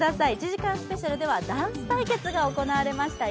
１時間スペシャルではダンス対決が行われました。